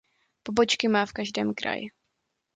Pobočky má v každém kraji.